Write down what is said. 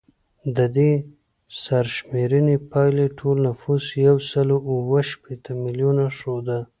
د دې سرشمېرنې پایلې ټول نفوس یو سل اووه شپیته میلیونه ښوده